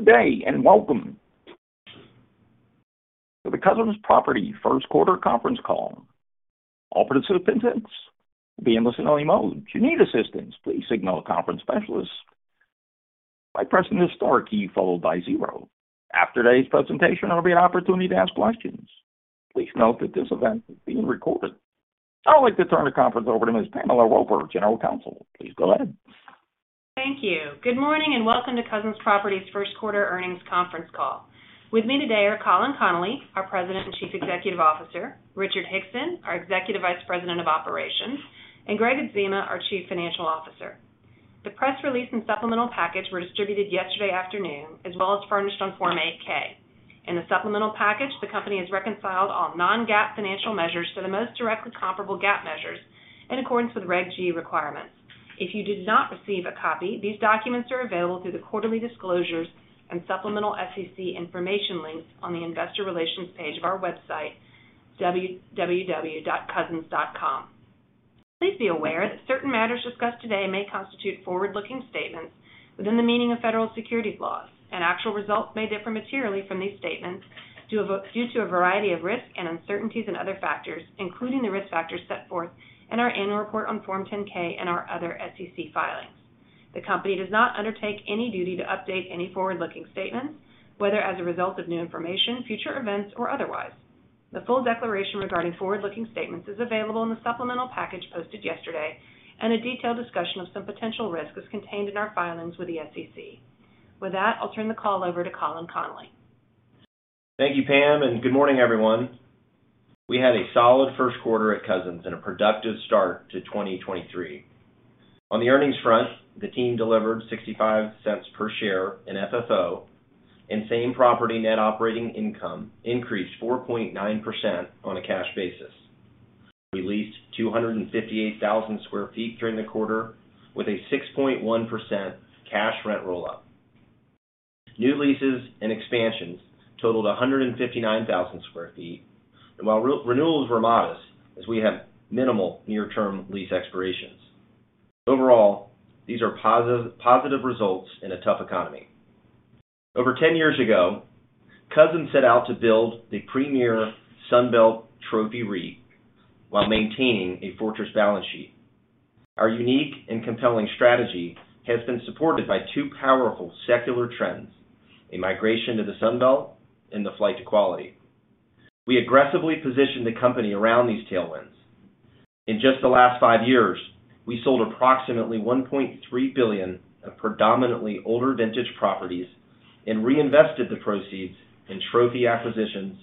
Good day. Welcome to the Cousins Properties Q1 conference call. All participants will be in listen only mode. If you need assistance, please signal a conference specialist by pressing the star key followed by 0. After today's presentation, there'll be an opportunity to ask questions. Please note that this event is being recorded. I would like to turn the conference over to Ms. Pamela Roper, General Counsel. Please go ahead. Thank you. Good morning and welcome to Cousins Properties Q1 earnings conference call. With me today are Colin Connolly, our President and Chief Executive Officer, Richard Hickson, our Executive Vice President of Operations, and Gregg Adzema, our Chief Financial Officer. The press release and supplemental package were distributed yesterday afternoon, as well as furnished on Form 8-K. In the supplemental package, the company has reconciled all non-GAAP financial measures to the most directly comparable GAAP measures in accordance with Reg G requirements. If you did not receive a copy, these documents are available through the quarterly disclosures and supplemental SEC information links on the investor relations page of our website, www.cousins.com. Please be aware that certain matters discussed today may constitute forward-looking statements within the meaning of federal securities laws, and actual results may differ materially from these statements due to a variety of risks and uncertainties and other factors, including the risk factors set forth in our annual report on Form 10-K and our other SEC filings. The company does not undertake any duty to update any forward-looking statements, whether as a result of new information, future events, or otherwise. The full declaration regarding forward-looking statements is available in the supplemental package posted yesterday, and a detailed discussion of some potential risks is contained in our filings with the SEC. With that, I'll turn the call over to Colin Connolly. Thank you, Pam, and good morning, everyone. We had a solid Q1 at Cousins and a productive start to 2023. On the earnings front, the team delivered $0.65 per share in FFO, and same property net operating income increased 4.9% on a cash basis. We leased 258,000 sq ft during the quarter with a 6.1% cash rent rollout. New leases and expansions totaled 159,000 sq ft. While re-renewals were modest as we have minimal near-term lease expirations. Overall, these are positive results in a tough economy. Over 10 years ago, Cousins set out to build the premier Sun Belt trophy REIT while maintaining a fortress balance sheet. Our unique and compelling strategy has been supported by two powerful secular trends, a migration to the Sun Belt and the flight to quality. We aggressively positioned the company around these tailwinds. In just the last five years, we sold approximately $1.3 billion of predominantly older vintage properties and reinvested the proceeds in trophy acquisitions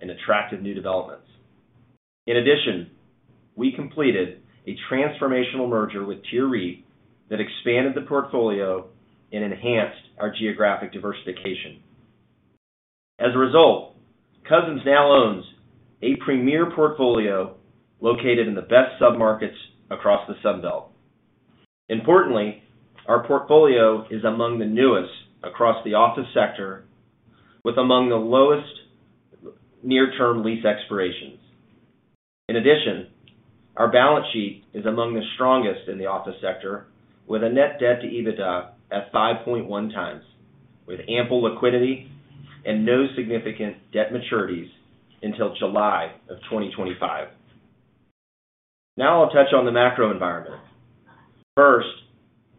and attractive new developments. In addition, we completed a transformational merger with TIER REIT that expanded the portfolio and enhanced our geographic diversification. As a result, Cousins now owns a premier portfolio located in the best submarkets across the Sun Belt. Importantly, our portfolio is among the newest across the office sector, with among the lowest near-term lease expirations. In addition, our balance sheet is among the strongest in the office sector, with a net debt to EBITDA at 5.1 times, with ample liquidity and no significant debt maturities until July of 2025. Now I'll touch on the macro environment. First,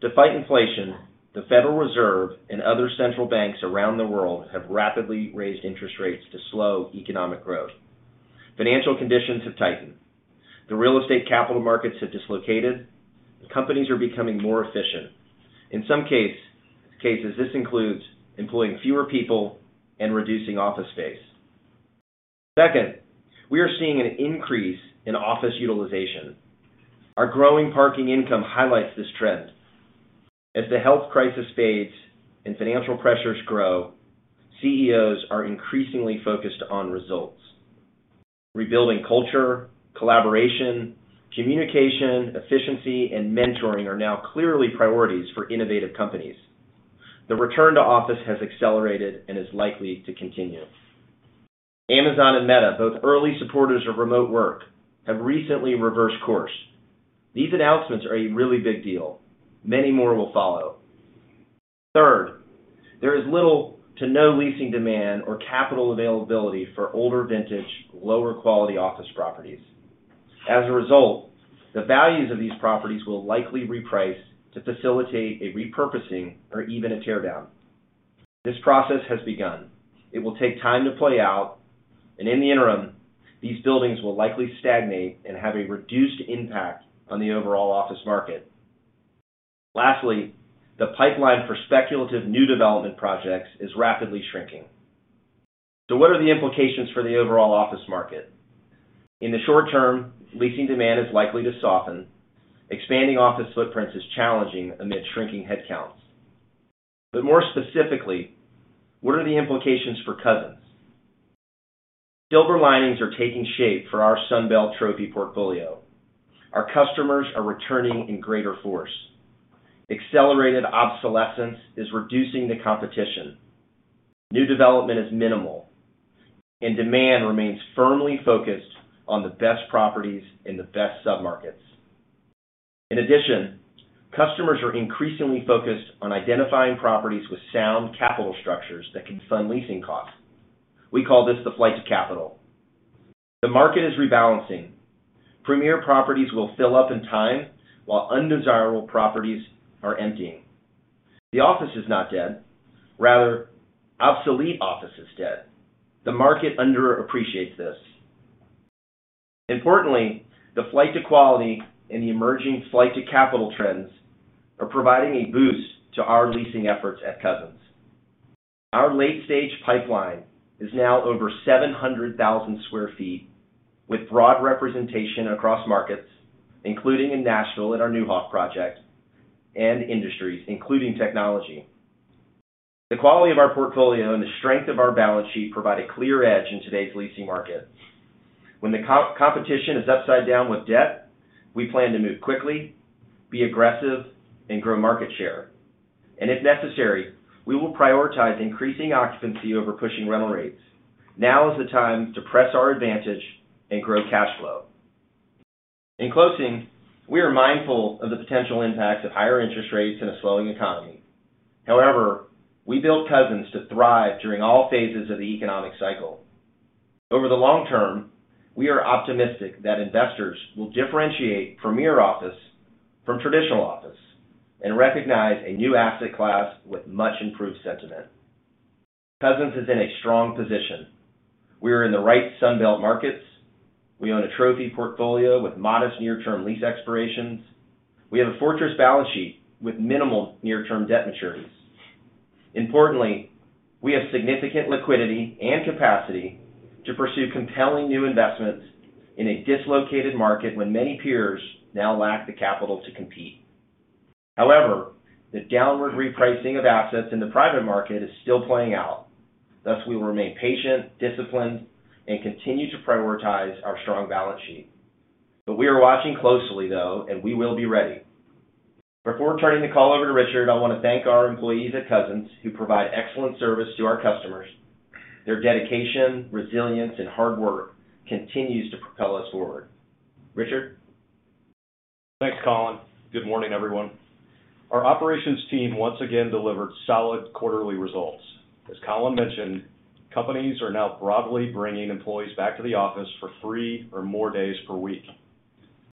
to fight inflation, the Federal Reserve and other central banks around the world have rapidly raised interest rates to slow economic growth. Financial conditions have tightened. The real estate capital markets have dislocated. Companies are becoming more efficient. In some cases, this includes employing fewer people and reducing office space. Second, we are seeing an increase in office utilization. Our growing parking income highlights this trend. As the health crisis fades and financial pressures grow, CEOs are increasingly focused on results. Rebuilding culture, collaboration, communication, efficiency, and mentoring are now clearly priorities for innovative companies. The return to office has accelerated and is likely to continue. Amazon and Meta, both early supporters of remote work, have recently reversed course. These announcements are a really big deal. Many more will follow. Third, there is little to no leasing demand or capital availability for older vintage, lower quality office properties. The values of these properties will likely reprice to facilitate a repurposing or even a teardown. This process has begun. It will take time to play out, in the interim, these buildings will likely stagnate and have a reduced impact on the overall office market. Lastly, the pipeline for speculative new development projects is rapidly shrinking. What are the implications for the overall office market? In the short term, leasing demand is likely to soften. Expanding office footprints is challenging amid shrinking headcounts. More specifically, what are the implications for Cousins? Silver linings are taking shape for our Sun Belt trophy portfolio. Our customers are returning in greater force. Accelerated obsolescence is reducing the competition. New development is minimal. Demand remains firmly focused on the best properties in the best submarkets. In addition, customers are increasingly focused on identifying properties with sound capital structures that can fund leasing costs. We call this the flight to capital. The market is rebalancing. Premier properties will fill up in time while undesirable properties are emptying. The office is not dead. Rather, obsolete office is dead. The market underappreciates this. Importantly, the flight to quality and the emerging flight to capital trends are providing a boost to our leasing efforts at Cousins. Our late-stage pipeline is now over 700,000 sq ft, with broad representation across markets, including in Nashville at our Neuhoff project, and industries, including technology. The quality of our portfolio and the strength of our balance sheet provide a clear edge in today's leasing market. When the competition is upside down with debt, we plan to move quickly, be aggressive, and grow market share. If necessary, we will prioritize increasing occupancy over pushing rental rates. Now is the time to press our advantage and grow cash flow. In closing, we are mindful of the potential impacts of higher interest rates in a slowing economy. However, we built Cousins to thrive during all phases of the economic cycle. Over the long term, we are optimistic that investors will differentiate premier office from traditional office and recognize a new asset class with much improved sentiment. Cousins is in a strong position. We are in the right Sun Belt markets. We own a trophy portfolio with modest near-term lease expirations. We have a fortress balance sheet with minimal near-term debt maturities. Importantly, we have significant liquidity and capacity to pursue compelling new investments in a dislocated market when many peers now lack the capital to compete. The downward repricing of assets in the private market is still playing out. We will remain patient, disciplined, and continue to prioritize our strong balance sheet. We are watching closely, though, and we will be ready. Before turning the call over to Richard, I want to thank our employees at Cousins who provide excellent service to our customers. Their dedication, resilience, and hard work continues to propel us forward. Richard? Thanks, Colin. Good morning, everyone. Our operations team once again delivered solid quarterly results. As Colin mentioned, companies are now broadly bringing employees back to the office for three or more days per week.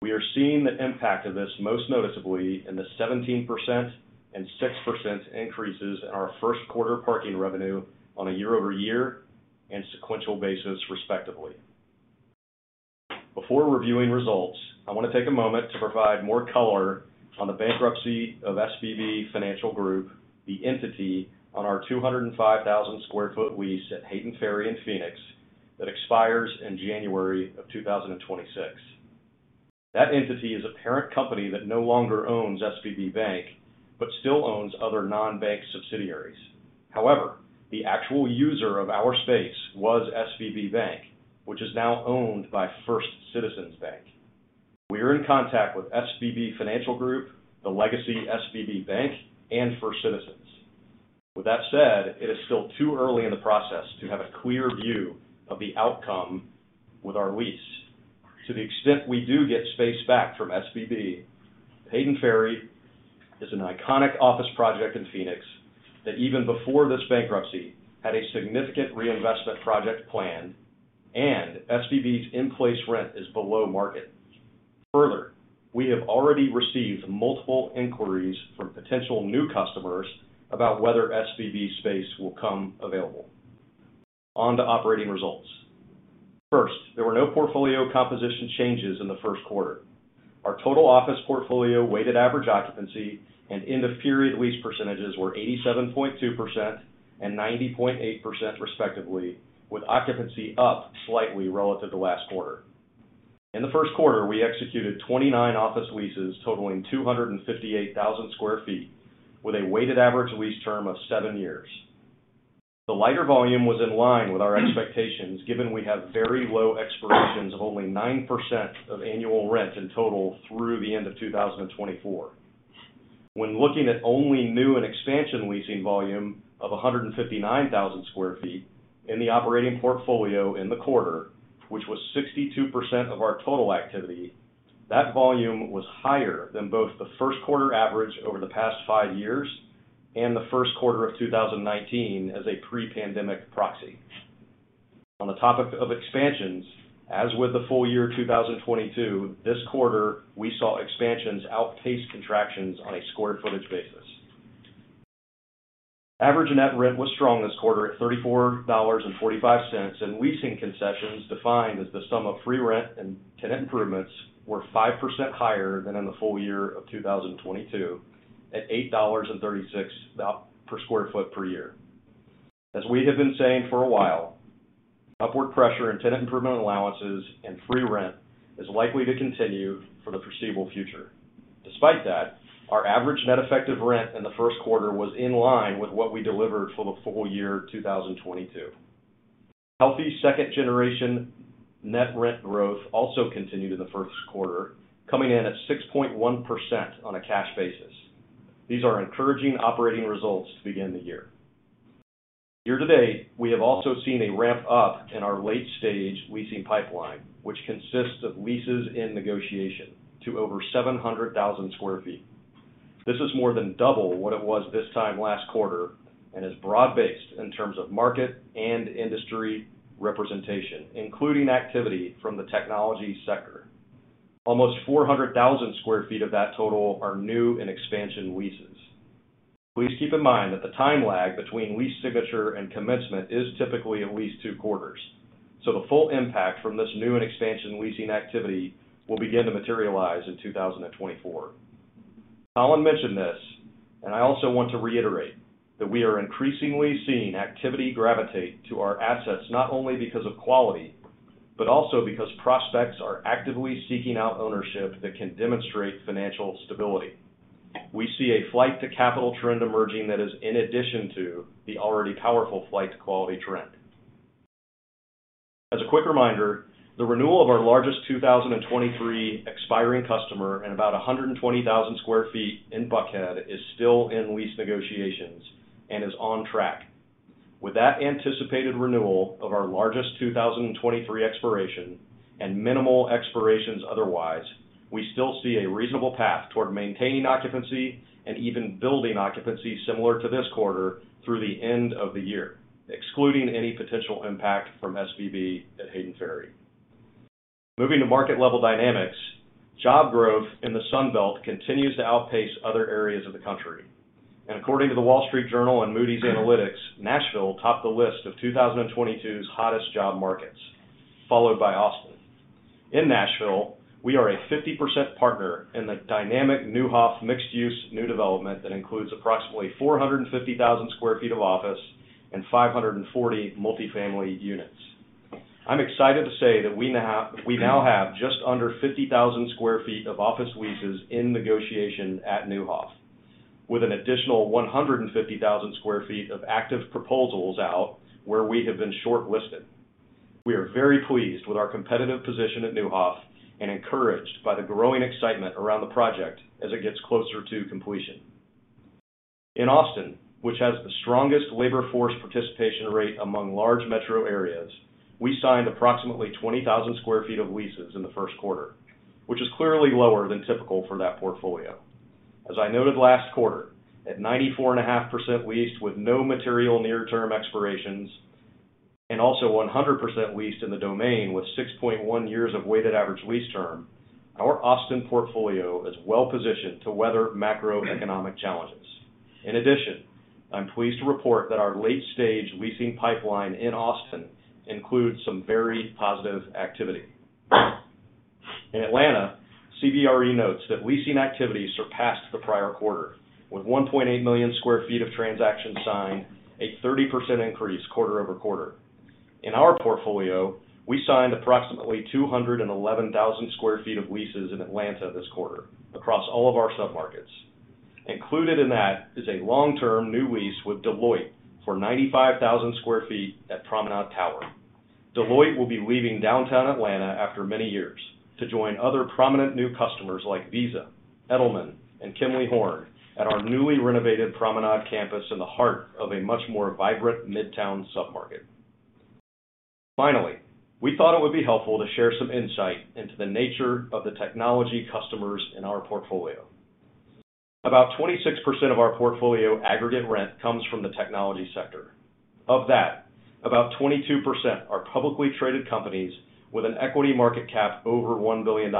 We are seeing the impact of this most noticeably in the 17% and 6% increases in our Q1 parking revenue on a year-over-year and sequential basis, respectively. Before reviewing results, I want to take a moment to provide more color on the bankruptcy of SVB Financial Group, the entity on our 205,000 sq ft lease at Hayden Ferry in Phoenix that expires in January 2026. That entity is a parent company that no longer owns SVB Bank, but still owns other non-bank subsidiaries. However, the actual user of our space was SVB Bank, which is now owned by First Citizens Bank. We are in contact with SVB Financial Group, the legacy SVB Bank, and First Citizens. With that said, it is still too early in the process to have a clear view of the outcome with our lease. To the extent we do get space back from SVB, Hayden Ferry is an iconic office project in Phoenix that even before this bankruptcy, had a significant reinvestment project planned, and SVB's in-place rent is below market. We have already received multiple inquiries from potential new customers about whether SVB space will come available. On to operating results. There were no portfolio composition changes in the Q1. Our total office portfolio weighted average occupancy and end-of-period lease percentages were 87.2% and 90.8% respectively, with occupancy up slightly relative to last quarter. In the Q1, we executed 29 office leases totaling 258,000 square feet with a weighted average lease term of 7 years. The lighter volume was in line with our expectations, given we have very low expirations of only 9% of annual rent in total through the end of 2024. When looking at only new and expansion leasing volume of 159,000 square feet in the operating portfolio in the quarter, which was 62% of our total activity, that volume was higher than both the Q1 average over the past five years and the Q1 of 2019 as a pre-pandemic proxy. On the topic of expansions, as with the full year 2022, this quarter we saw expansions outpace contractions on a square footage basis. Average net rent was strong this quarter at $34.45, and leasing concessions defined as the sum of free rent and tenant improvements were 5% higher than in the full year of 2022, at $8.36 per square foot per year. As we have been saying for a while, upward pressure in tenant improvement allowances and free rent is likely to continue for the foreseeable future. Despite that, our average net effective rent in the Q1 was in line with what we delivered for the full year 2022. Healthy second generation net rent growth also continued in the Q1, coming in at 6.1% on a cash basis. These are encouraging operating results to begin the year. Year-to-date, we have also seen a ramp up in our late stage leasing pipeline, which consists of leases in negotiation to over 700,000 sq ft. This is more than double what it was this time last quarter and is broad-based in terms of market and industry representation, including activity from the technology sector. Almost 400,000 sq ft of that total are new and expansion leases. Please keep in mind that the time lag between lease signature and commencement is typically at least Q2. The full impact from this new and expansion leasing activity will begin to materialize in 2024. Colin mentioned this. I also want to reiterate that we are increasingly seeing activity gravitate to our assets, not only because of quality, but also because prospects are actively seeking out ownership that can demonstrate financial stability. We see a flight to capital trend emerging that is in addition to the already powerful flight to quality trend. As a quick reminder, the renewal of our largest 2023 expiring customer and about 120,000 sq ft in Buckhead is still in lease negotiations and is on track. With that anticipated renewal of our largest 2023 expiration and minimal expirations otherwise, we still see a reasonable path toward maintaining occupancy and even building occupancy similar to this quarter through the end of the year, excluding any potential impact from SVB at Hayden Ferry. Moving to market level dynamics, job growth in the Sun Belt continues to outpace other areas of the country. According to The Wall Street Journal and Moody's Analytics, Nashville topped the list of 2022's hottest job markets, followed by Austin. In Nashville, we are a 50% partner in the dynamic Newhoff mixed-use new development that includes approximately 450,000 sq ft of office and 540 multi-family units. I'm excited to say that we now have just under 50,000 sq ft of office leases in negotiation at Newhoff, with an additional 150,000 sq ft of active proposals out where we have been shortlisted. We are very pleased with our competitive position at Newhoff and encouraged by the growing excitement around the project as it gets closer to completion. In Austin, which has the strongest labor force participation rate among large metro areas, we signed approximately 20,000 sq ft of leases in the Q1, which is clearly lower than typical for that portfolio. As I noted last quarter, at 94.5% leased with no material near term expirations and also 100% leased in The Domain with 6.1 years of weighted average lease term, our Austin portfolio is well positioned to weather macroeconomic challenges. In addition, I'm pleased to report that our late stage leasing pipeline in Austin includes some very positive activity. In Atlanta, CBRE notes that leasing activity surpassed the prior quarter with 1.8 million sq ft of transactions signed, a 30% increase quarter-over-quarter. In our portfolio, we signed approximately 211,000 sq ft of leases in Atlanta this quarter across all of our submarkets. Included in that is a long-term new lease with Deloitte for 95,000 sq ft at Promenade Tower. Deloitte will be leaving downtown Atlanta after many years to join other prominent new customers like Visa, Edelman, and Kimley-Horn at our newly renovated Promenade campus in the heart of a much more vibrant midtown submarket. Finally, we thought it would be helpful to share some insight into the nature of the technology customers in our portfolio. About 26% of our portfolio aggregate rent comes from the technology sector. Of that, about 22% are publicly traded companies with an equity market cap over $1 billion,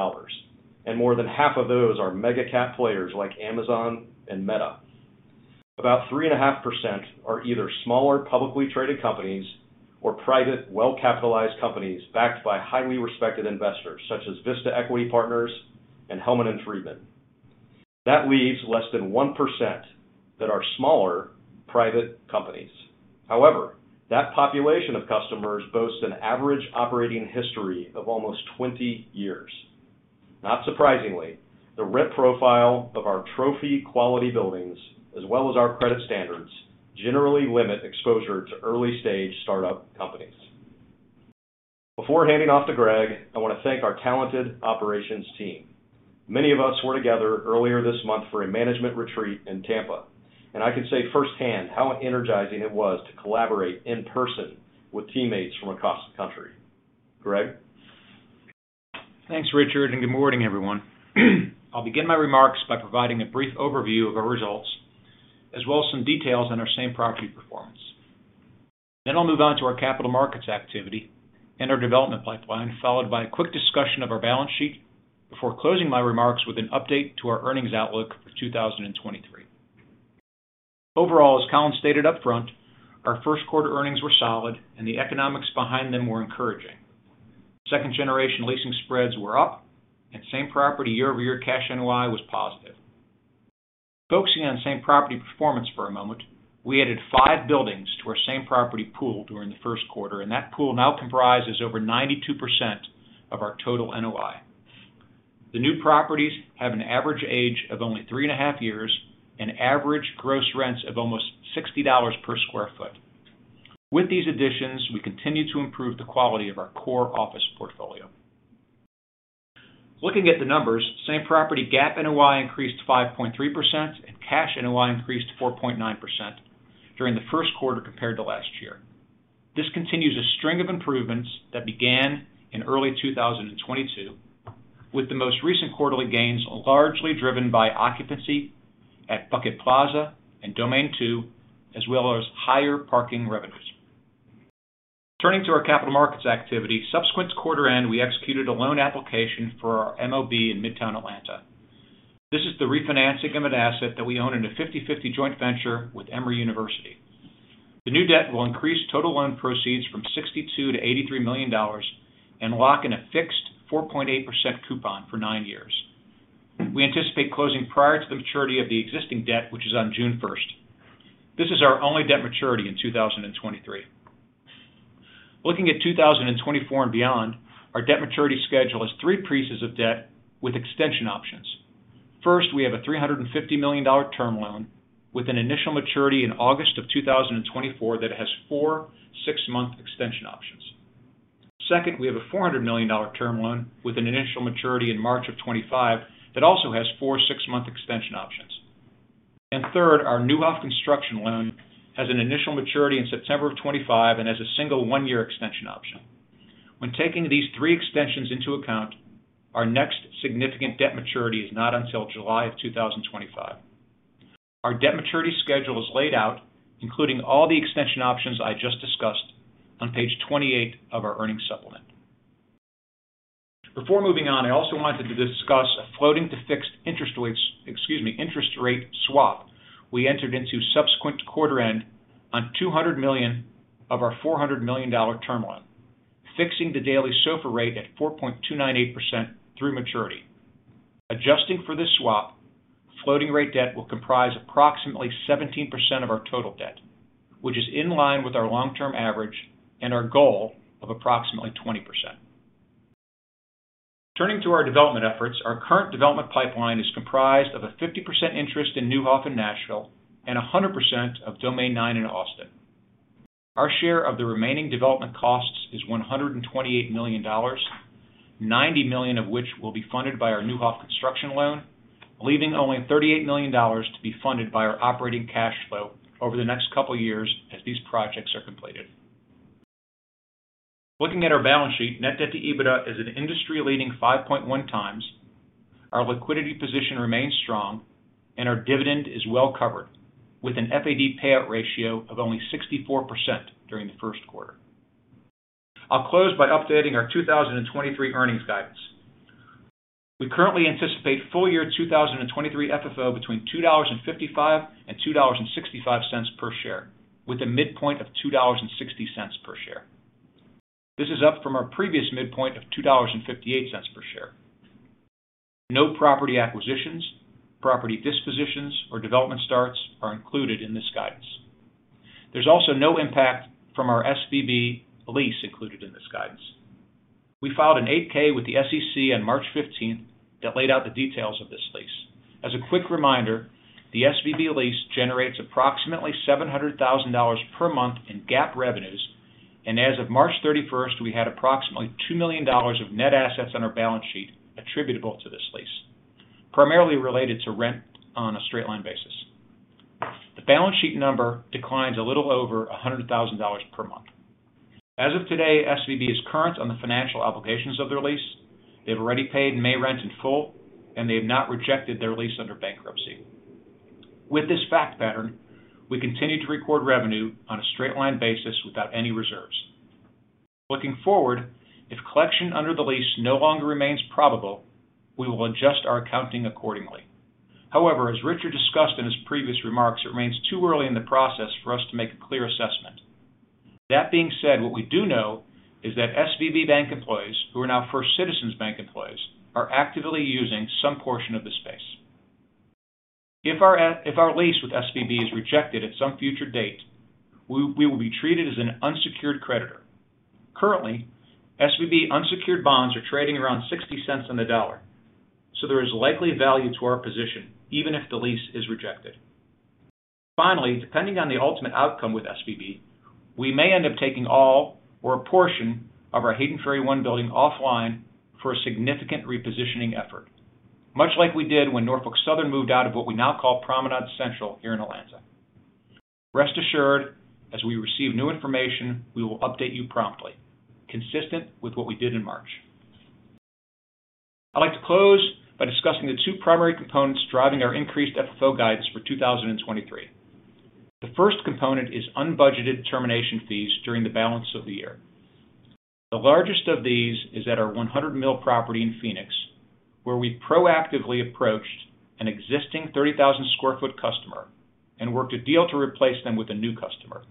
and more than half of those are mega cap players like Amazon and Meta. About 3.5% are either smaller publicly traded companies or private well-capitalized companies backed by highly respected investors such as Vista Equity Partners and Hellman & Friedman. That leaves less than 1% that are smaller private companies. However, that population of customers boasts an average operating history of almost 20 years. Not surprisingly, the rent profile of our trophy quality buildings, as well as our credit standards, generally limit exposure to early stage startup companies. Before handing off to Gregg, I want to thank our talented operations team. Many of us were together earlier this month for a management retreat in Tampa, and I can say firsthand how energizing it was to collaborate in person with teammates from across the country. Gregg? Thanks, Richard. Good morning, everyone. I'll begin my remarks by providing a brief overview of our results, as well as some details on our same property performance. I'll move on to our capital markets activity and our development pipeline, followed by a quick discussion of our balance sheet before closing my remarks with an update to our earnings outlook for 2023. Overall, as Colin stated upfront, our Q1 earnings were solid and the economics behind them were encouraging. Second generation leasing spreads were up and same property year-over-year cash NOI was positive. Focusing on same property performance for a moment, we added five buildings to our same property pool during the Q1, and that pool now comprises over 92% of our total NOI. The new properties have an average age of only three and a half years and average gross rents of almost $60 per sq ft. With these additions, we continue to improve the quality of our core office portfolio. Looking at the numbers, same property GAAP NOI increased 5.3% and cash NOI increased 4.9% during the Q1 compared to last year. This continues a string of improvements that began in early 2022, with the most recent quarterly gains largely driven by occupancy at Buckhead Plaza and Domain 2, as well as higher parking revenues. Turning to our capital markets activity. Subsequent to quarter end, we executed a loan application for our MOB in Midtown Atlanta. This is the refinancing of an asset that we own in a 50/50 joint venture with Emory University. The new debt will increase total loan proceeds from $62 million to $83 million and lock in a fixed 4.8% coupon for nine years. We anticipate closing prior to the maturity of the existing debt, which is on June 1st. This is our only debt maturity in 2023. Looking at 2024 and beyond, our debt maturity schedule has 3 pieces of debt with extension options. First, we have a $350 million term loan with an initial maturity in August 2024 that has 4 6-month extension options. Second, we have a $400 million term loan with an initial maturity in March 2025 that also has 4 6-month extension options. Third, our Newhoff construction loan has an initial maturity in September 2025 and has a single one-year extension option. When taking these 3 extensions into account, our next significant debt maturity is not until July of 2025. Our debt maturity schedule is laid out, including all the extension options I just discussed on page 28 of our earnings supplement. Before moving on, I also wanted to discuss a floating to fixed interest rate swap we entered into subsequent to quarter end on $200 million of our $400 million term loan, fixing the daily SOFR rate at 4.298% through maturity. Adjusting for this swap, floating rate debt will comprise approximately 17% of our total debt, which is in line with our long term average and our goal of approximately 20%. Turning to our development efforts. Our current development pipeline is comprised of a 50% interest in Newhoff in Nashville and 100% of Domain Nine in Austin. Our share of the remaining development costs is $128 million, $90 million of which will be funded by our Newhoff construction loan, leaving only $38 million to be funded by our operating cash flow over the next couple years as these projects are completed. Looking at our balance sheet, net debt to EBITDA is an industry leading 5.1x. Our liquidity position remains strong and our dividend is well covered with an FAD payout ratio of only 64% during the Q1. I'll close by updating our 2023 earnings guidance. We currently anticipate full year 2023 FFO between $2.55 and $2.65 per share, with a midpoint of $2.60 per share. This is up from our previous midpoint of $2.58 per share. No property acquisitions, property dispositions or development starts are included in this guidance. There's also no impact from our SVB lease included in this guidance. We filed an 8-K with the SEC on March 15th that laid out the details of this lease. As a quick reminder, the SVB lease generates approximately $700,000 per month in GAAP revenues, and as of March 31st, we had approximately $2 million of net assets on our balance sheet attributable to this lease, primarily related to rent on a straight line basis. The balance sheet number declines a little over $100,000 per month. As of today, SVB is current on the financial obligations of their lease. They've already paid May rent in full, and they have not rejected their lease under bankruptcy. With this fact pattern, we continue to record revenue on a straight line basis without any reserves. Looking forward, if collection under the lease no longer remains probable, we will adjust our accounting accordingly. However, as Richard discussed in his previous remarks, it remains too early in the process for us to make a clear assessment. That being said, what we do know is that SVB bank employees, who are now First Citizens Bank employees, are actively using some portion of the space. If our lease with SVB is rejected at some future date, we will be treated as an unsecured creditor. Currently, SVB unsecured bonds are trading around $0.60 on the dollar. There is likely value to our position even if the lease is rejected. Finally, depending on the ultimate outcome with SVB, we may end up taking all or a portion of our Hayden Ferry 1 building offline for a significant repositioning effort, much like we did when Norfolk Southern moved out of what we now call Promenade Central here in Atlanta. Rest assured, as we receive new information, we will update you promptly, consistent with what we did in March. I'd like to close by discussing the two primary components driving our increased FFO guidance for 2023. The first component is unbudgeted termination fees during the balance of the year. The largest of these is at our 100 Mill property in Phoenix, where we proactively approached an existing 30,000 sq ft customer and worked a deal to replace them with a new customer.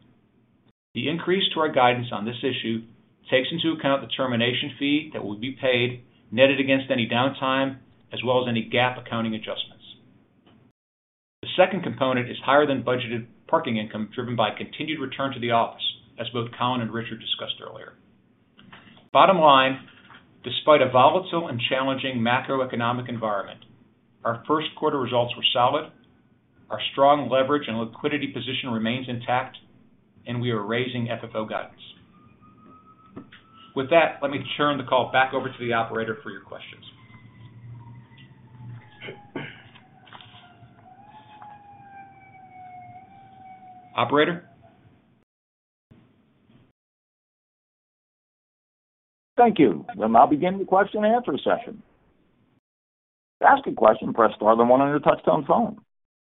The increase to our guidance on this issue takes into account the termination fee that will be paid, netted against any downtime as well as any GAAP accounting adjustments. The second component is higher than budgeted parking income driven by continued return to the office, as both Colin and Richard discussed earlier. Bottom line, despite a volatile and challenging macroeconomic environment, our Q1 results were solid. Our strong leverage and liquidity position remains intact. We are raising FFO guidance. With that, let me turn the call back over to the operator for your questions. Operator? Thank you. We'll now begin the question and answer session. To ask a question, press star then one on your touch-tone phone.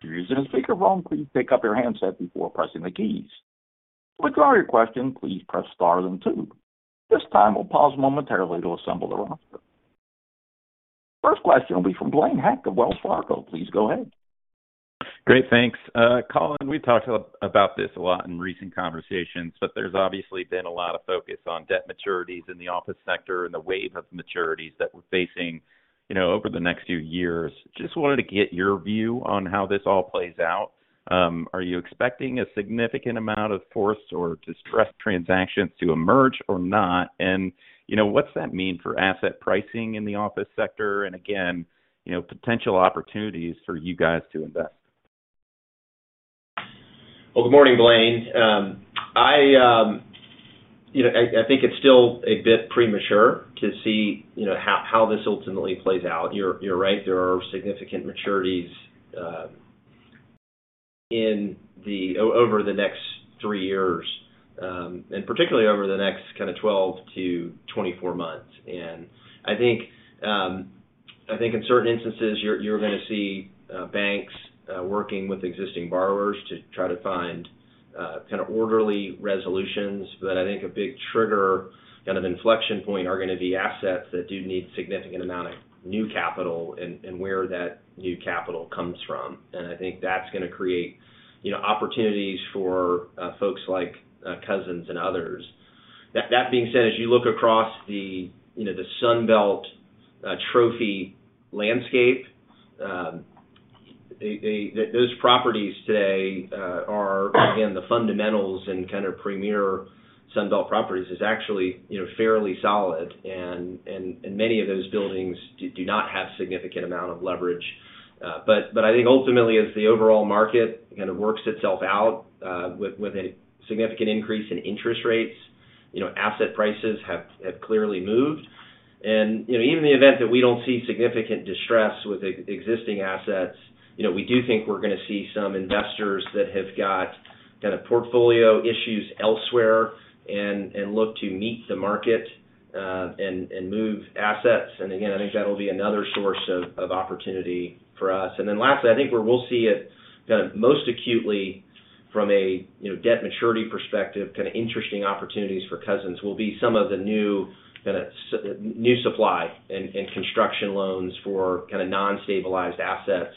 If you're using a speakerphone, please pick up your handset before pressing the keys. To withdraw your question, please press star then two. At this time, we'll pause momentarily to assemble the roster. First question will be from Blaine Heck of Wells Fargo. Please go ahead. Great. Thanks. Colin, we've talked about this a lot in recent conversations, but there's obviously been a lot of focus on debt maturities in the office sector and the wave of maturities that we're facing, over the next few years. Just wanted to get your view on how this all plays out. Are you expecting a significant amount of forced or distressed transactions to emerge or not? You know, what's that mean for asset pricing in the office sector, and again, potential opportunities for you guys to invest? Well, good morning, Blaine. I think it's still a bit premature to see, how this ultimately plays out. You're right. There are significant maturities over the next three years, and particularly over the next kind of 12-24 months. I think in certain instances, you're gonna see banks working with existing borrowers to try to find kind of orderly resolutions. I think a big trigger, kind of inflection point are gonna be assets that do need significant amount of new capital and where that new capital comes from. I think that's gonna create, opportunities for folks like Cousins and others. That being said, as you look across the Sun Belt trophy landscape, those properties today are again, the fundamentals and kind of premier Sun Belt properties is actually fairly solid and many of those buildings do not have significant amount of leverage. I think ultimately, as the overall market kind of works itself out, with a significant increase in interest rates, asset prices have clearly moved. You know, even in the event that we don't see significant distress with existing assets, we do think we're gonna see some investors that have got kind of portfolio issues elsewhere and look to meet the market and move assets. Again, I think that'll be another source of opportunity for us. Lastly, I think where we'll see it kind of most acutely from a, debt maturity perspective, kind of interesting opportunities for Cousins will be some of the new supply and construction loans for kind of non-stabilized assets.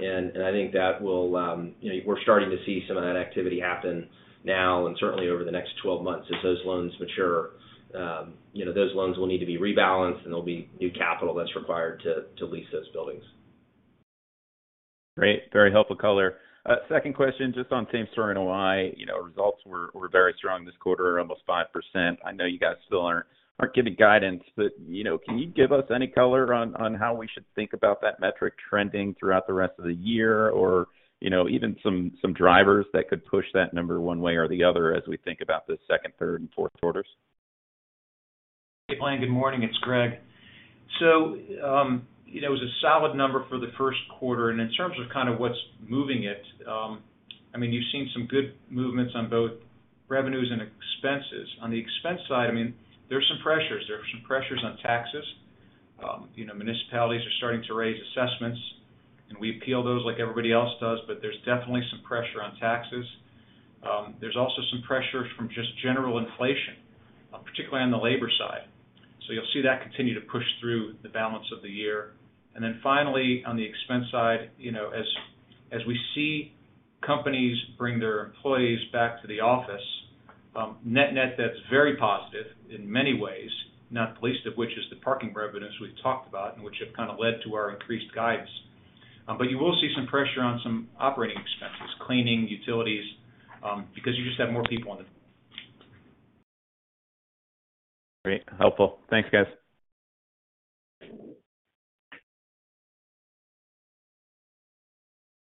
I think that will. We're starting to see some of that activity happen now and certainly over the next 12 months as those loans mature. Those loans will need to be rebalanced, and there'll be new capital that's required to lease those buildings. Great. Very helpful color. Second question, just on same store NOI. You know, results were very strong this quarter, almost 5%. I know you guys still aren't giving guidance, but, can you give us any color on how we should think about that metric trending throughout the rest of the year or, even some drivers that could push that number one way or the other as we think about the second, third and fourth quarters? Hey, Blaine, good morning. It's Gregg. You know, it was a solid number for the Q1. In terms of kind of what's moving it, I mean, you've seen some good movements on both revenues and expenses. On the expense side, I mean, there's some pressures. There are some pressures on taxes. You know, municipalities are starting to raise assessments, and we appeal those like everybody else does, but there's definitely some pressure on taxes. There's also some pressures from just general inflation, particularly on the labor side. You'll see that continue to push through the balance of the year. Finally, on the expense side, as we see companies bring their employees back to the office, net-net, that's very positive in many ways, not the least of which is the parking revenues we've talked about and which have kind of led to our increased guidance. You will see some pressure on some operating expenses, cleaning, utilities, because you just have more people. Great. Helpful. Thanks, guys.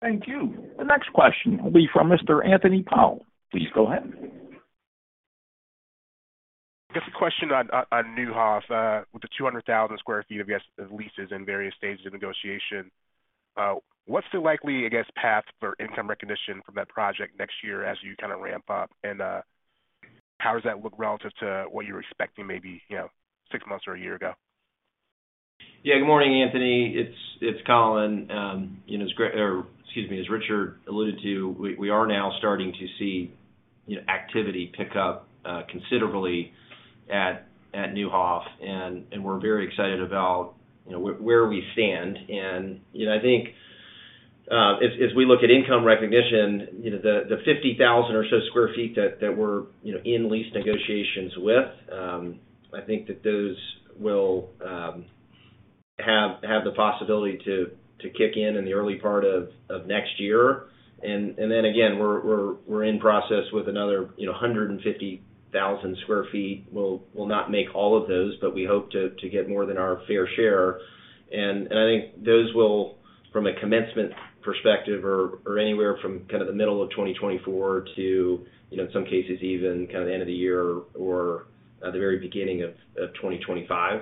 Thank you. The next question will be from Mr. Anthony Powell. Please go ahead. Just a question on Newhoff. With the 200,000 sq ft of leases in various stages of negotiation, what's the likely, I guess, path for income recognition from that project next year as you kind of ramp up? And how does that look relative to what you were expecting maybe, 6 months or one year ago? Yeah. Good morning, Anthony. It's Colin. As Richard alluded to, we are now starting to see, activity pick up considerably at Newhoff, and we're very excited about, where we stand. You know, I think, as we look at income recognition, the 50,000 or so sq ft that we're, in lease negotiations with, I think that those will have the possibility to kick in in the early part of next year. Then again, we're in process with another, 150,000 sq ft. We'll not make all of those, but we hope to get more than our fair share. I think those will, from a commencement perspective or anywhere from kind of the middle of 2024 to, in some cases, even kind of the end of the year or the very beginning of 2025.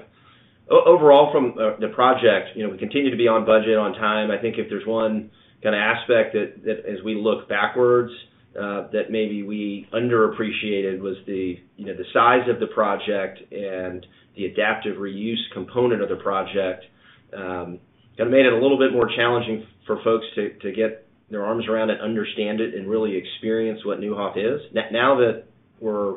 Overall from the project, we continue to be on budget, on time. I think if there's one kind of aspect that as we look backwards, that maybe we underappreciated was the size of the project and the adaptive reuse component of the project, kind of made it a little bit more challenging for folks to get their arms around it, understand it, and really experience what Newhoff is. Now that we're,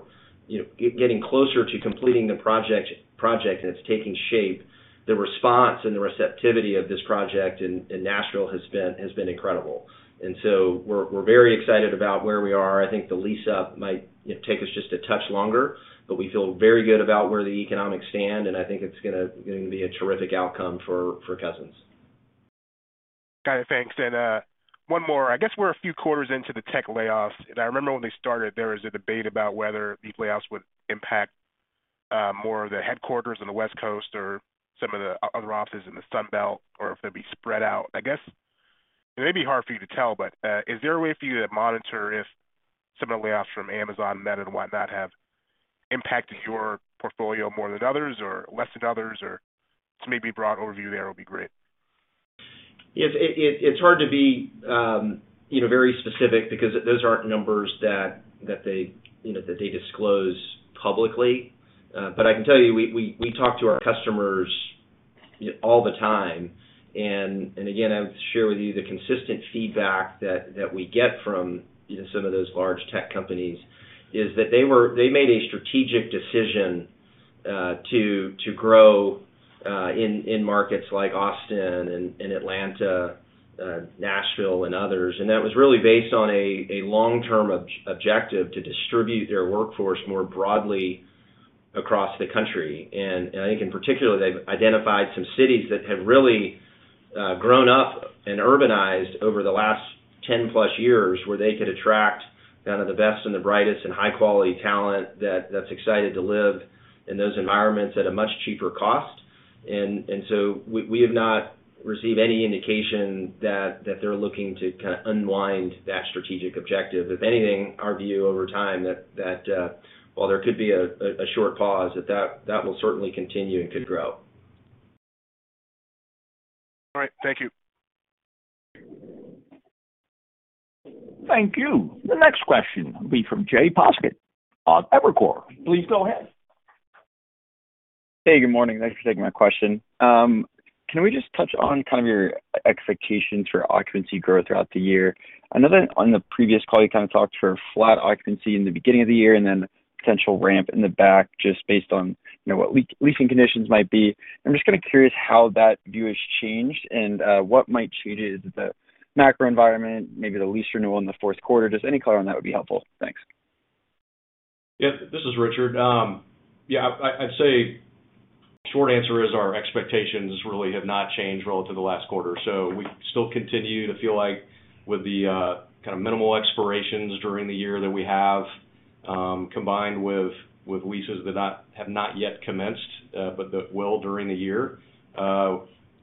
getting closer to completing the project and it's taking shape, the response and the receptivity of this project in Nashville has been incredible. We're very excited about where we are. I think the lease up might, take us just a touch longer, but we feel very good about where the economics stand, and I think it's gonna be a terrific outcome for Cousins. Got it. Thanks. One more. I guess we're a few quarters into the tech layoffs. I remember when they started, there was a debate about whether these layoffs would impact more of the headquarters on the West Coast or some of the other offices in the Sun Belt or if they'd be spread out. I guess it may be hard for you to tell, but is there a way for you to monitor if some of the layoffs from Amazon, Meta, and whatnot have impacted your portfolio more than others or less than others? Just maybe a broad overview there would be great. Yes. It's hard to be, very specific because those aren't numbers that they, that they disclose publicly. I can tell you, we talk to our customers all the time. Again, I would share with you the consistent feedback that we get from, some of those large tech companies is that they made a strategic decision to grow in markets like Austin and Atlanta, Nashville and others. That was really based on a long-term objective to distribute their workforce more broadly across the country. I think in particular, they've identified some cities that have really grown up and urbanized over the last 10+ years, where they could attract kind of the best and the brightest and high-quality talent that's excited to live in those environments at a much cheaper cost. We have not received any indication that they're looking to kind of unwind that strategic objective. If anything, our view over time that, while there could be a short pause, that will certainly continue and could grow. All right. Thank you. Thank you. The next question will be from James Poskitt of Evercore. Please go ahead. Hey, good morning. Thanks for taking my question. Can we just touch on kind of your expectations for occupancy growth throughout the year? I know that on the previous call, you kind of talked for flat occupancy in the beginning of the year and then potential ramp in the back just based on, what leasing conditions might be. I'm just kind of curious how that view has changed and what might change it. Is it the macro environment, maybe the lease renewal in the Q4? Just any color on that would be helpful. Thanks. Yeah. This is Richard. yeah, I'd say short answer is our expectations really have not changed relative to last quarter. We still continue to feel like with the kind of minimal expirations during the year that we have, combined with leases that have not yet commenced, but that will during the year,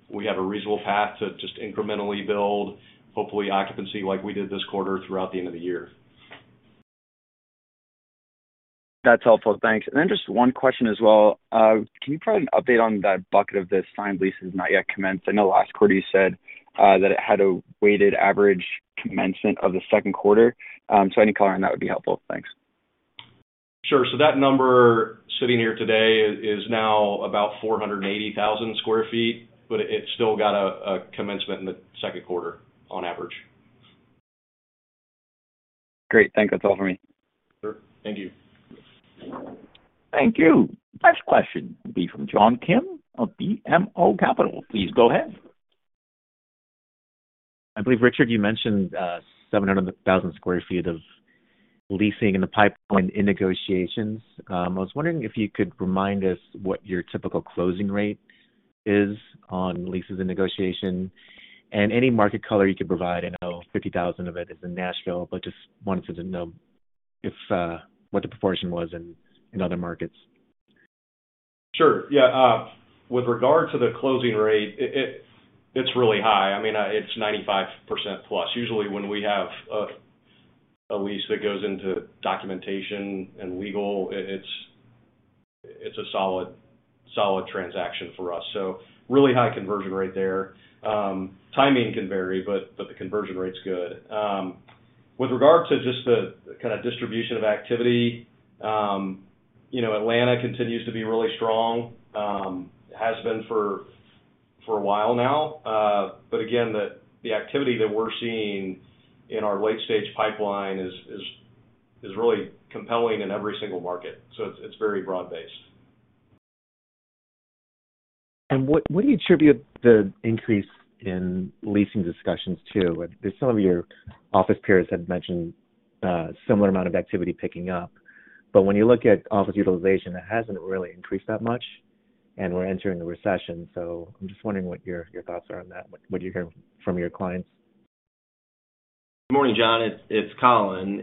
we have a reasonable path to just incrementally build, hopefully, occupancy like we did this quarter throughout the end of the year. That's helpful. Thanks. Just 1 question as well. Can you provide an update on that bucket of the signed leases not yet commenced? I know last quarter you said, that it had a weighted average commencement of the 2nd quarter. Any color on that would be helpful. Thanks. Sure. That number sitting here today is now about 480,000 square feet, but it's still got a commencement in the Q2 on average. Great. Thank you. That's all for me. Sure. Thank you. Thank you. Next question will be from John Kim of BMO Capital. Please go ahead. I believe, Richard, you mentioned 700,000 sq ft of leasing in the pipeline in negotiations. I was wondering if you could remind us what your typical closing rate is on leases in negotiation and any market color you could provide. I know 50,000 of it is in Nashville, but just wanted to know what the proportion was in other markets. Sure. Yeah. With regard to the closing rate, it's really high. I mean, it's 95% plus. Usually, when we have a lease that goes into documentation and legal, it's a solid transaction for us. Really high conversion rate there. Timing can vary, but the conversion rate's good. With regard to just the kind of distribution of activity, Atlanta continues to be really strong, has been for a while now. Again, the activity that we're seeing in our late-stage pipeline is really compelling in every single market. It's very broad-based. What do you attribute the increase in leasing discussions to? There's some of your office peers have mentioned, similar amount of activity picking up. When you look at office utilization, it hasn't really increased that much. We're entering a recession, I'm just wondering what your thoughts are on that, what you hear from your clients. Good morning, John. It's Colin.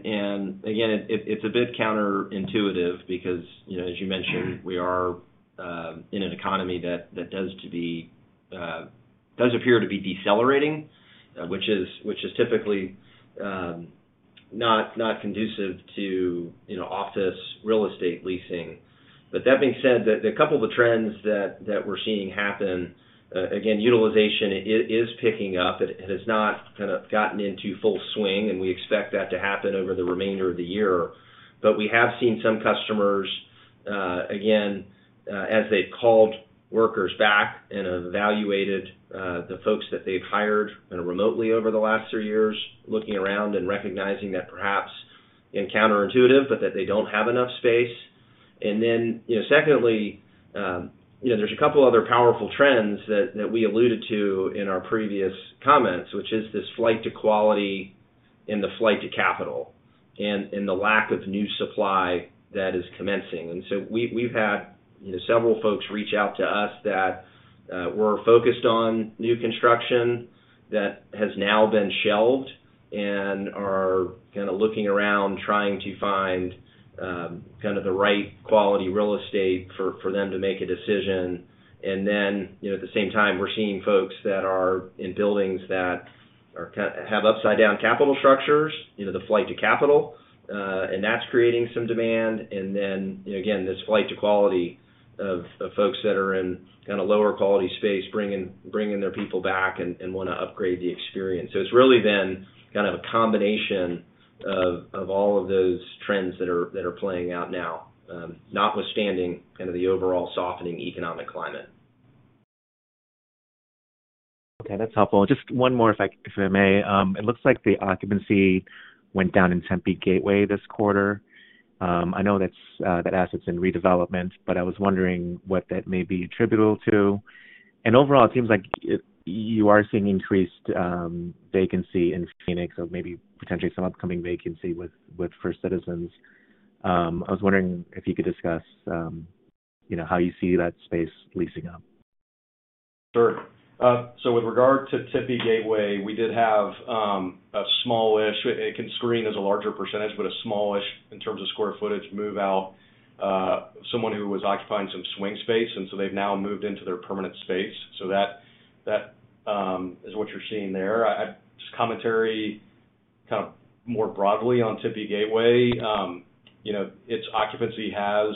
Again, it's a bit counterintuitive because, as you mentioned, we are in an economy that does appear to be decelerating, which is typically not conducive to, office real estate leasing. That being said, the couple of the trends that we're seeing happen, again, utilization is picking up. It has not kind of gotten into full swing, and we expect that to happen over the remainder of the year. We have seen some customers, again, as they've called workers back and evaluated the folks that they've hired kind of remotely over the last three years, looking around and recognizing that perhaps, and counterintuitive, but that they don't have enough space. Secondly, there's a couple other powerful trends that we alluded to in our previous comments, which is this flight to quality and the flight to capital and the lack of new supply that is commencing. We've had, several folks reach out to us that were focused on new construction that has now been shelved and are kind of looking around trying to find kind of the right quality real estate for them to make a decision. You know, at the same time, we're seeing folks that are in buildings that have upside down capital structures, the flight to capital, and that's creating some demand. You know, again, this flight to quality of folks that are in kind of lower quality space bringing their people back and wanna upgrade the experience. It's really been kind of a combination of all of those trends that are playing out now, notwithstanding kind of the overall softening economic climate. Okay, that's helpful. Just one more if I may. It looks like the occupancy went down in Tempe Gateway this quarter. I know that's, that asset's in redevelopment, but I was wondering what that may be attributable to. Overall, it seems like you are seeing increased vacancy in Phoenix or maybe potentially some upcoming vacancy with First Citizens. I was wondering if you could discuss, how you see that space leasing up. Sure. With regard to Tempe Gateway, we did have a smallish. It can screen as a larger percentage, but a smallish in terms of square footage move out, someone who was occupying some swing space, and so they've now moved into their permanent space. That is what you're seeing there. Just commentary kind of more broadly on Tempe Gateway, its occupancy has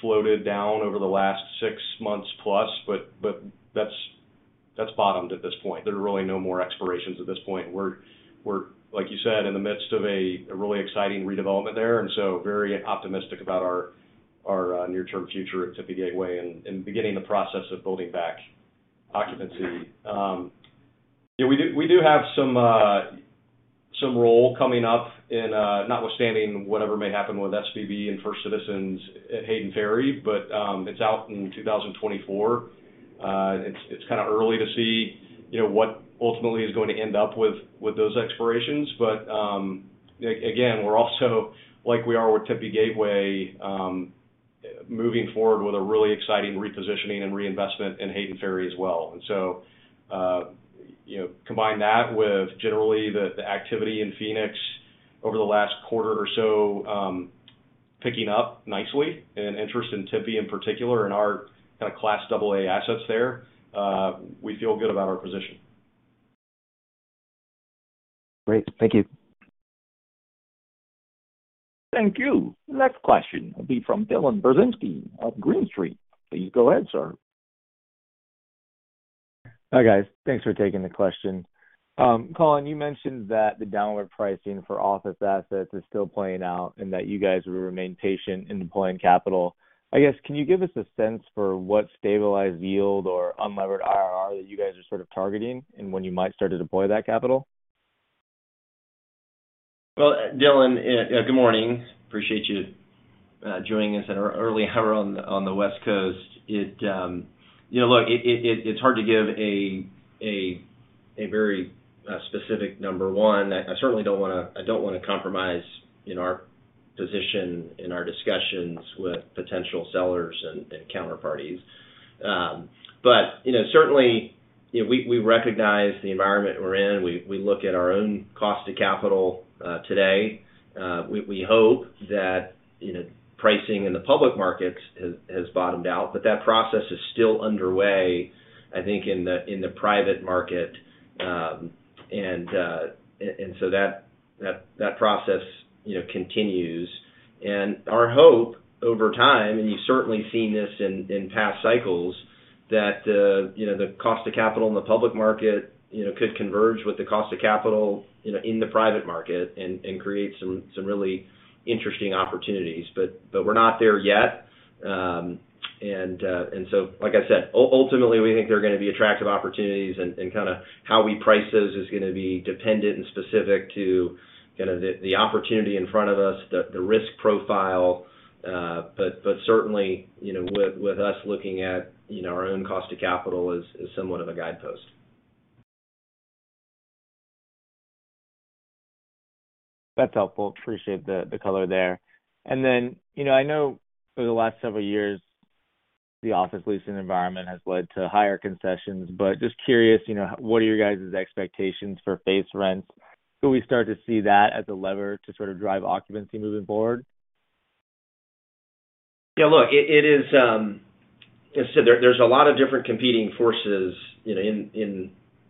floated down over the last 6 months plus, but that's bottomed at this point. There are really no more expirations at this point. We're, like you said, in the midst of a really exciting redevelopment there, very optimistic about our near term future at Tempe Gateway and beginning the process of building back occupancy. We do have some role coming up in, notwithstanding whatever may happen with SVB and First Citizens at Hayden Ferry, but it's out in 2024. It's kinda early to see, what ultimately is going to end up with those expirations. Again, we're also, like we are with Tempe Gateway, moving forward with a really exciting repositioning and reinvestment in Hayden Ferry as well. You know, combine that with generally the activity in Phoenix over the last quarter or so, picking up nicely and interest in Tempe in particular and our kind of Class AA assets there, we feel good about our position. Great. Thank you. Thank you. The next question will be from Dylan Burzinski of Green Street. Please go ahead, sir. Hi, guys. Thanks for taking the question. Colin, you mentioned that the downward pricing for office assets is still playing out and that you guys will remain patient in deploying capital. I guess, can you give us a sense for what stabilized yield or unlevered IRR that you guys are sort of targeting and when you might start to deploy that capital? Dylan, good morning. Appreciate you joining us at an early hour on the West Coast. You know, look, it's hard to give a very specific number one. I certainly don't wanna compromise in our position, in our discussions with potential sellers and counterparties. You know, certainly, we recognize the environment we're in. We look at our own cost of capital today. We hope that, pricing in the public markets has bottomed out, that process is still underway, I think, in the private market. That process, continues. Our hope over time, and you've certainly seen this in past cycles, that, the cost of capital in the public market, could converge with the cost of capital, in the private market and create some really interesting opportunities. We're not there yet. So, like I said, ultimately, we think there are gonna be attractive opportunities, and kinda how we price those is gonna be dependent and specific to kinda the opportunity in front of us, the risk profile. Certainly, with us looking at, our own cost of capital is somewhat of a guidepost. That's helpful. Appreciate the color there. I know for the last several years, the office leasing environment has led to higher concessions. Just curious, what are your guys' expectations for base rents? Do we start to see that as a lever to sort of drive occupancy moving forward? Yeah, look, it is, there's a lot of different competing forces,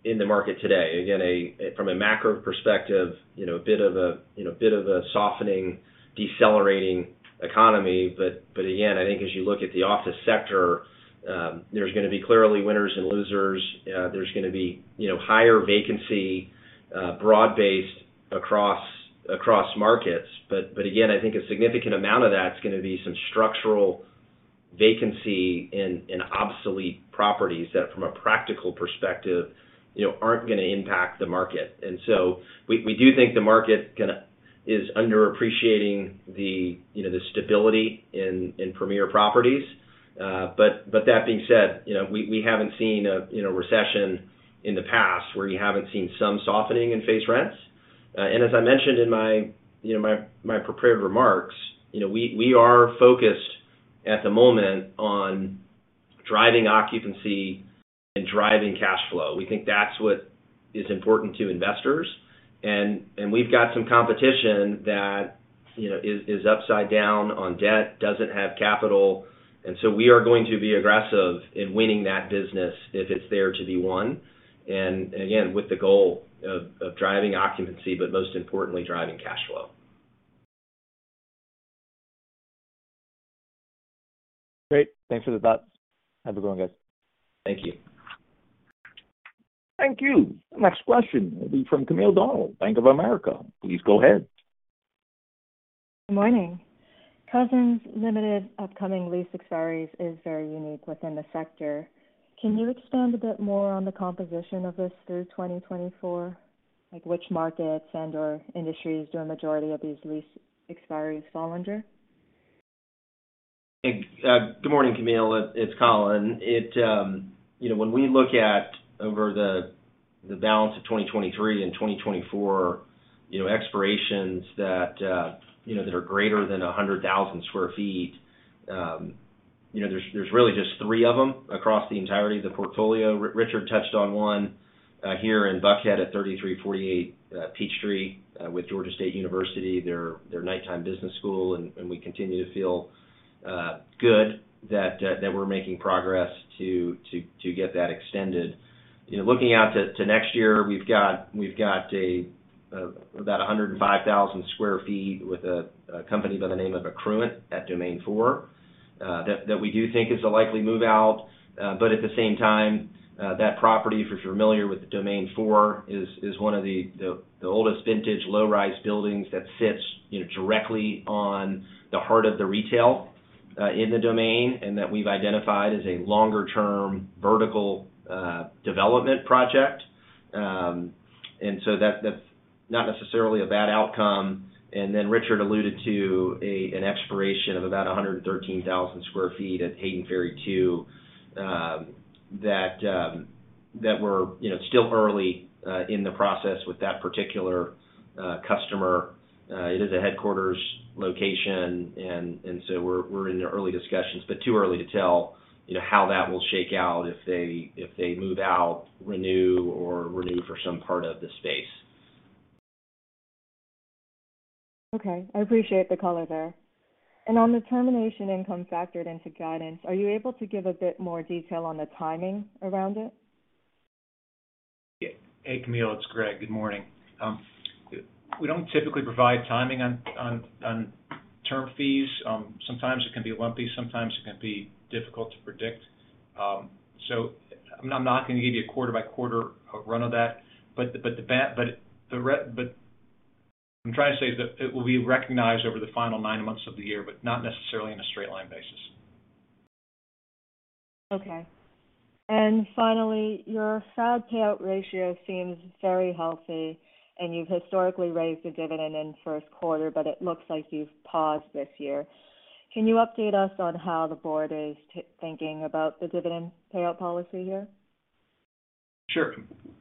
in the market today. Again, from a macro perspective, a bit of a softening, decelerating economy. Again, I think as you look at the office sector, there's gonna be clearly winners and losers. There's gonna be, higher vacancy, broad-based across markets. Again, I think a significant amount of that's gonna be some structural vacancy in obsolete properties that from a practical perspective, aren't gonna impact the market. We do think the market is underappreciating the stability in premier properties. That being said, we haven't seen a recession in the past where you haven't seen some softening in base rents. As I mentioned in my prepared remarks, we are focused at the moment on driving occupancy and driving cash flow. We think that's what is important to investors. We've got some competition that is upside down on debt, doesn't have capital, we are going to be aggressive in winning that business if it's there to be won. Again, with the goal of driving occupancy, but most importantly, driving cash flow. Great. Thanks for the thoughts. Have a good one, guys. Thank you. Thank you. Next question will be from Camille Bonnel, Bank of America. Please go ahead. Good morning. Cousins Properties upcoming lease expiries is very unique within the sector. Can you expand a bit more on the composition of this through 2024? Like which markets and/or industries do a majority of these lease expiries fall under? Hey, good morning, Camille. It's Colin. It, when we look at over the balance of 2023 and 2024, expirations that, that are greater than 100,000 sq ft, there's really just 3 of them across the entirety of the portfolio. Richard touched on one here in Buckhead at 3348 Peachtree, with Georgia State University, their nighttime business school, and we continue to feel good that we're making progress to get that extended. You know, looking out to next year, we've got about 105,000 sq ft with a company by the name of Accruent at Domain 4, that we do think is a likely move out. At the same time, that property, if you're familiar with Domain 4, is one of the oldest vintage low-rise buildings that sits, directly on the heart of the retail in The Domain, and that we've identified as a longer-term vertical development project. So that's not necessarily a bad outcome. Then Richard alluded to an expiration of about 113,000 sq ft at Hayden Ferry 2, that we're, still early in the process with that particular customer. It is a headquarters location so we're in the early discussions, but too early to tell, how that will shake out if they move out, renew, or renew for some part of the space. Okay. I appreciate the color there. On the termination income factored into guidance, are you able to give a bit more detail on the timing around it? Hey, Camille, it's Gregg. Good morning. We don't typically provide timing on term fees. Sometimes it can be lumpy, sometimes it can be difficult to predict. I'm not gonna give you a quarter-by-quarter run of that, but what I'm trying to say is that it will be recognized over the final 9 months of the year, but not necessarily on a straight line basis. Finally, your FAD payout ratio seems very healthy, and you've historically raised the dividend in Q1, but it looks like you've paused this year. Can you update us on how the board is thinking about the dividend payout policy here? Sure.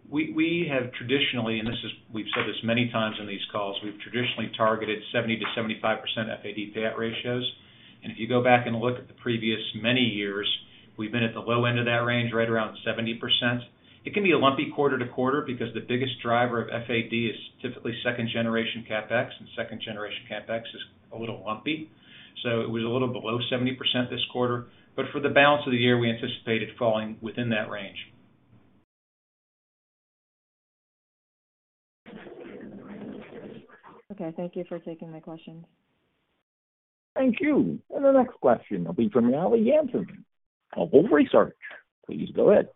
We have traditionally, and this is we've said this many times in these calls, we've traditionally targeted 70% to 75% FAD payout ratios. If you go back and look at the previous many years, we've been at the low end of that range, right around 70%. It can be a lumpy quarter-to-quarter because the biggest driver of FAD is typically second generation CapEx, and second generation CapEx is a little lumpy. It was a little below 70% this quarter. For the balance of the year, we anticipate it falling within that range. Okay. Thank you for taking my questions. Thank you. The next question will be from Allister Janseen of Wolfe Research. Please go ahead.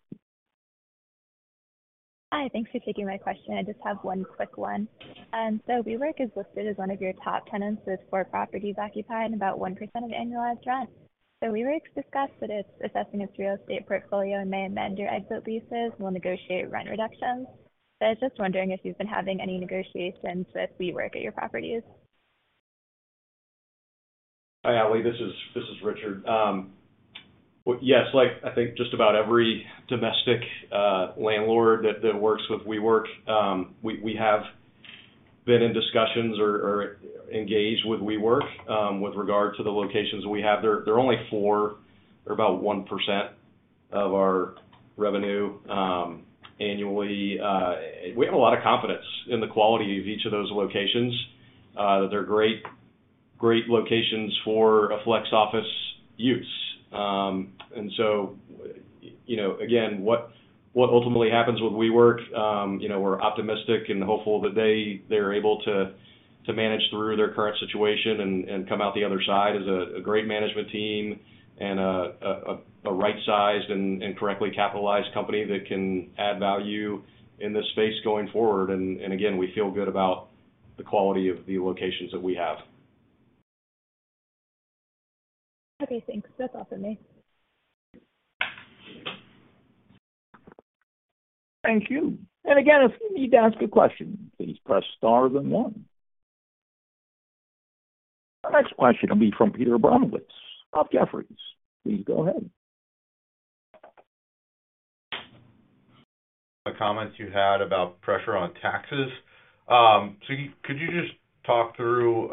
Hi. Thanks for taking my question. I just have one quick one. WeWork is listed as one of your top tenants with four properties occupied and about 1% of annualized rent. WeWork's discussed that it's assessing its real estate portfolio and may amend your exit leases and will negotiate rent reductions. I was just wondering if you've been having any negotiations with WeWork at your properties. Hi, Allie, this is Richard. Yes, like I think just about every domestic landlord that works with WeWork, we have been in discussions or engaged with WeWork, with regard to the locations we have. There only 4. They're about 1% of our revenue annually. We have a lot of confidence in the quality of each of those locations, that they're great locations for a flex office use. You know, again, what ultimately happens with WeWork, we're optimistic and hopeful that they're able to manage through their current situation and come out the other side as a great management team and a right-sized and correctly capitalized company that can add value in this space going forward. Again, we feel good about the quality of the locations that we have. Okay, thanks. That's all for me. Thank you. Again, if you need to ask a question, please press star then 1. Our next question will be from Peter Abramowitz of Jefferies. Please go ahead. The comments you had about pressure on taxes. Could you just talk through,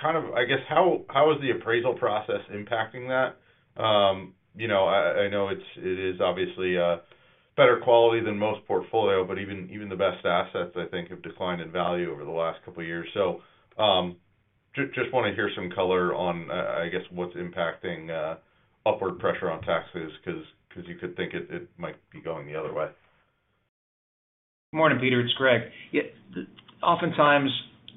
kind of, I guess, how is the appraisal process impacting that? I know it is obviously a better quality than most portfolio, but even the best assets, I think, have declined in value over the last couple of years. Just wanna hear some color on, I guess, what's impacting upward pressure on taxes 'cause you could think it might be going the other way. Morning, Peter, it's Greg. Yeah. Oftentimes,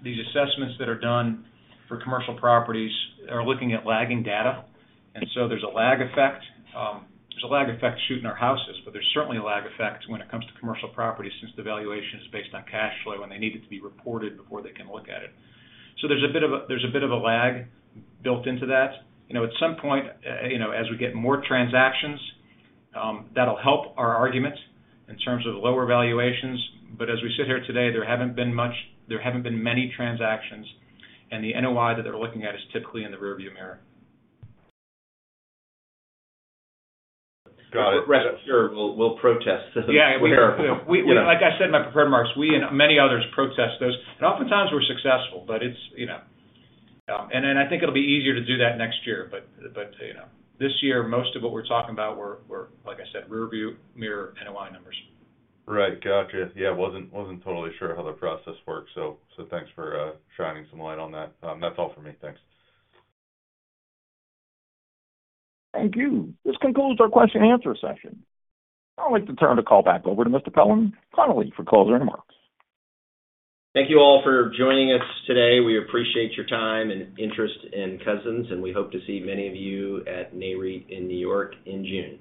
these assessments that are done for commercial properties are looking at lagging data. There's a lag effect. There's a lag effect shooting our houses, but there's certainly a lag effect when it comes to commercial properties since the valuation is based on cash flow, and they need it to be reported before they can look at it. There's a bit of a, there's a bit of a lag built into that. You know, at some point, as we get more transactions, that'll help our argument in terms of lower valuations. As we sit here today, there haven't been many transactions, and the NOI that they're looking at is typically in the rear view mirror. Got it. Sure. We'll protest. Yeah. We, like I said in my prepared remarks, we and many others protest those. Oftentimes we're successful, but it's, I think it'll be easier to do that next year. but. This year, most of what we're talking about were, like I said, rear view mirror NOI numbers. Right. Gotcha. Yeah, wasn't totally sure how the process works, so thanks for shining some light on that. That's all for me. Thanks. Thank you. This concludes our question-and-answer session. I'd like to turn the call back over to Mr. Colin Connolly for closing remarks. Thank you all for joining us today. We appreciate your time and interest in Cousins. We hope to see many of you at Nareit in New York in June.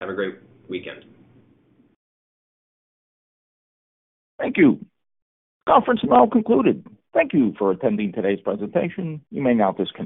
Have a great weekend. Thank you. Conference now concluded. Thank you for attending today's presentation. You may now disconnect.